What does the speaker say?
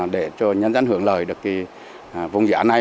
để cho nhân dân hưởng lợi được cái vùng giá này